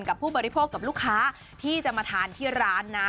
ผู้บริโภคกับลูกค้าที่จะมาทานที่ร้านนะ